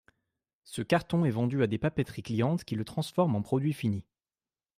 Ce carton est vendu à des papéteries clientes qui le transforment en produit fini.